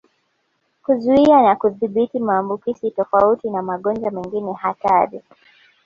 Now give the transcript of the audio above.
"Kuzuia na kudhibiti maambukizi tofauti na magonjwa mengine hatari"